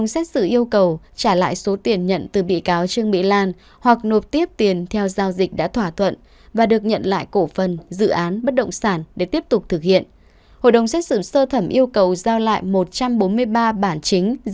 xin kính chào và hẹn gặp lại